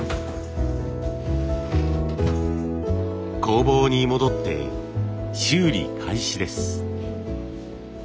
工房に戻って修理開始です。